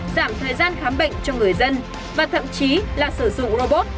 giảm thời gian khám bệnh cho người dân và thậm chí là sử dụng robot